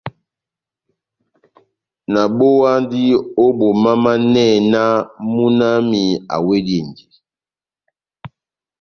Nabowandi o bomamanɛhɛ nah muna wami awedindi.